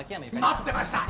待ってました！